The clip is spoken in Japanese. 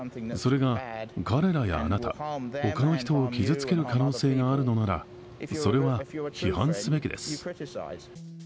それが彼らやあなた、他の人を傷つける可能性があるのなら、それは批判すべきです。